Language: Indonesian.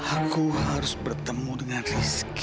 aku harus bertemu dengan rizky